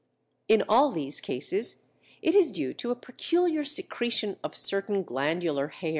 In all these cases it is due to a peculiar secretion of certain glandular hairs.